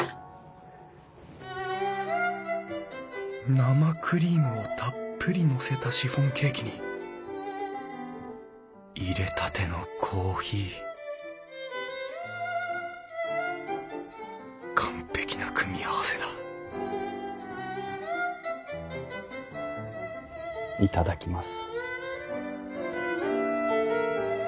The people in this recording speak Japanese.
生クリームをたっぷりのせたシフォンケーキにいれたてのコーヒー完璧な組み合わせだ頂きます。